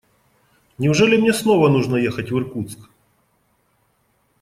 Неужели мне снова нужно ехать в Иркутск?